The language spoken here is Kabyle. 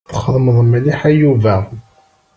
Txedmeḍ mliḥ a Yuba.